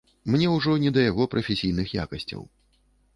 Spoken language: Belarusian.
Мне ўжо не да яго прафесійных якасцяў.